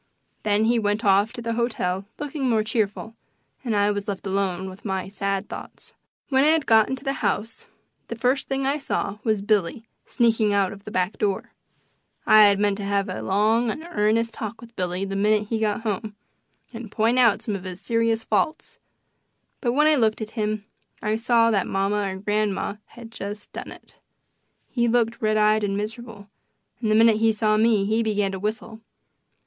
Then he went off to the hotel looking more cheerful, and I was left alone with my sad thoughts. When I got into the house the first thing I saw was Billy sneaking out of the back door. I had meant to have a long and earnest talk with Billy the minute he got home, and point out some of his serious faults, but when I looked at him I saw that mamma or grandma had just done it. He looked red eyed and miserable, and the minute he saw me he began to whistle.